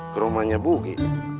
ke rumahnya bugi